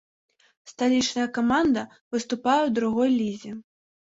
Сталічная каманда выступае ў другой лізе.